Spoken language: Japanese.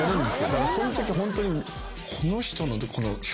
だからそのときホントに。